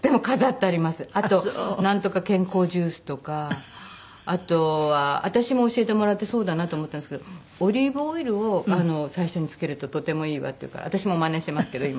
あとなんとか健康ジュースとかあとは私も教えてもらってそうだなと思ったんですけどオリーブオイルを最初につけるととてもいいわって言うから私もマネしてますけど今。